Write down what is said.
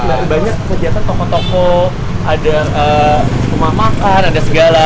banyak kebanyakan toko toko ada pemakan ada segala